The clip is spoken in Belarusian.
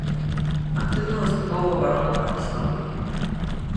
Актыўна выступаў у абарону праваслаўя.